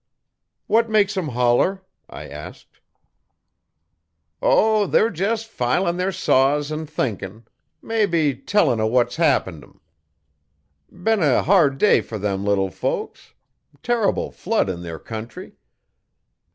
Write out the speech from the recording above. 'What makes 'em holler?' I asked. 'O, they're jes' filin' their saws an' thinkin'. Mebbe tellin' o' what's happened 'em. Been a hard day fer them little folks. Terrible flood in their country.